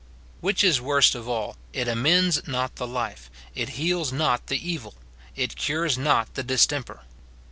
Which is worst of all, it amends not the life, it heals not the evil, it cures not the distemper.